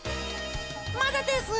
まだです！